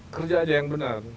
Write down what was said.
kerja aja yang benar